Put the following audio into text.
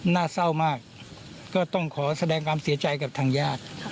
หน้าเศร้ามากก็ต้องขอแสดงความเสียใจกับทางญาติ